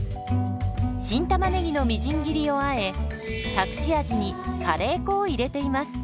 新たまねぎのみじん切りをあえ隠し味にカレー粉を入れています。